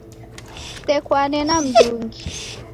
Kusekwane na mndungi